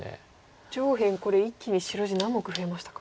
上辺これ一気に白地何目増えましたか？